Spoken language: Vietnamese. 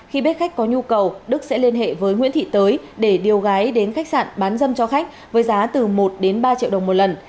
khi biết khách có nhu cầu đức sẽ liên hệ với nguyễn thị tới để điều gái đến khách sạn bán dâm cho khách với giá từ một đến ba triệu đồng một lần